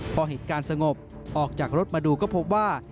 พอเหตุการณ์สงบออกจากรถมาดูก็พบว่า